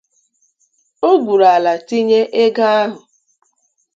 o gwuru ala tinye ego ahụ